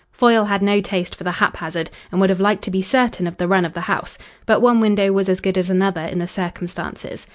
Foyle had no taste for the haphazard, and would have liked to be certain of the run of the house. But one window was as good as another in the circumstances.